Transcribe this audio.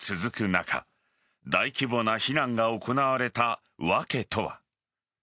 中大規模な避難が行われた訳とは。